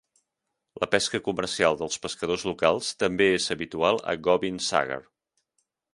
La pesca comercial dels pescadors locals també és habitual a Gobind Sagar.